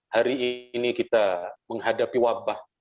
hari ini kita menghadapi wabah